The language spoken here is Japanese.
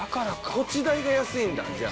土地代が安いんだじゃあ。